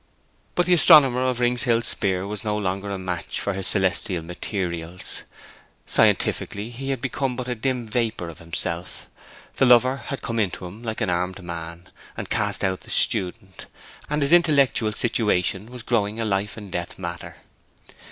But the astronomer of the Rings Hill Speer was no longer a match for his celestial materials. Scientifically he had become but a dim vapour of himself; the lover had come into him like an armed man, and cast out the student, and his intellectual situation was growing a life and death matter.